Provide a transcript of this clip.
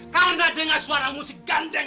karena dengar suara musik gandeng